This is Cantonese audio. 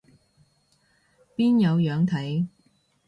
邊有樣睇